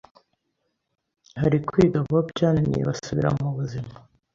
hari kwiga abo byananiye basubira mu buzima